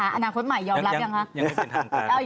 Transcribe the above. ได้หรือยังคะอนาคตใหม่ยอมรับหรือยังคะ